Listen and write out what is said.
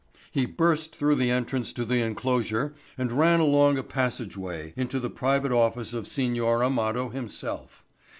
He burst through the entrance to the enclosure and ran along a passageway into the private office of Signor Amado himself.